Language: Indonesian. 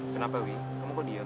kenapa wi kamu kok diam